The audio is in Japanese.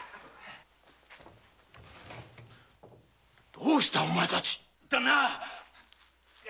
・どうしたお前たち⁉旦那！